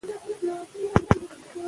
ځينې افغانان په دې برخه کې هڅې کوي.